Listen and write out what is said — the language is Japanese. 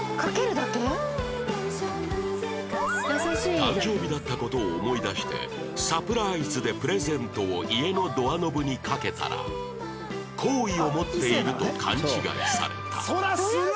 誕生日だった事を思い出してサプライズでプレゼントを家のドアノブに掛けたら好意を持っていると勘違いされた